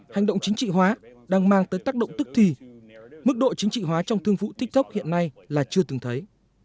hành động chính trị hóa đang mang tới tác động tức thì mức độ chính trị hóa trong thương vụ tiktok hiện nay là chưa từng thấy